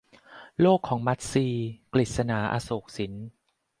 โลกของมัทรี - กฤษณา อโศกสิน